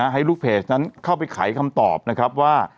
ให้ลูกเพจนั้นเข้าไปไขคำตอบนะครับว่า